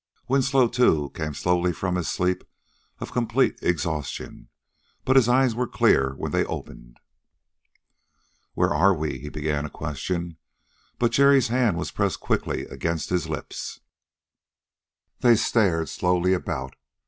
Winslow, too, came slowly from his sleep of complete exhaustion, but his eyes were clear when they opened. "Where are " he began a question, but Jerry's hand was pressed quickly against his lips. They stared slowly about.